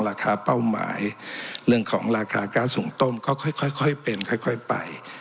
ราคาเป้าหมายเรื่องของราคาก๊าสสูงต้มก็ค่อยค่อยค่อยเป็นค่อยค่อยไป